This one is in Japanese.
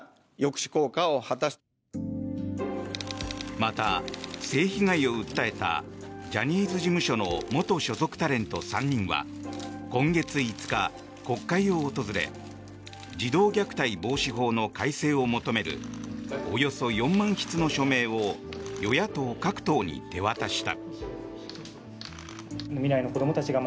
また、性被害を訴えたジャニーズ事務所の元所属タレント３人は今月５日、国会を訪れ児童虐待防止法の改正を求めるおよそ４万筆の署名を与野党各党に手渡した。